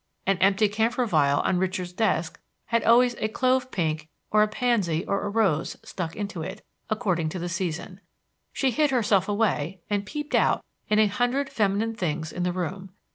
An empty camphor vial on Richard's desk had always a clove pink, or a pansy, or a rose, stuck into it, according to the season. She hid herself away and peeped out in a hundred feminine things in the room.